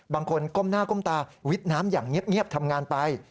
ก้มหน้าก้มตาวิดน้ำอย่างเงียบทำงานไป